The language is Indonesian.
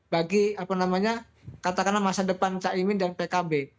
bagi apa namanya katakanlah masa depan caimin dan pkb